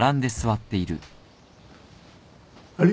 あれ？